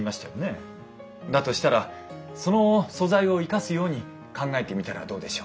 だとしたらその素材を生かすように考えてみたらどうでしょう？